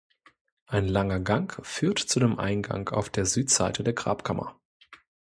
Ein langer Gang führt zu dem Eingang auf der Südseite der Grabkammer.